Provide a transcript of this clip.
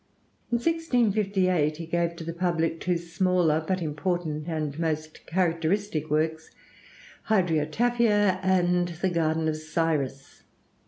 In 1658 he gave to the public two smaller but important and most characteristic works, 'Hydriotaphia' and 'The Garden of Cyrus.'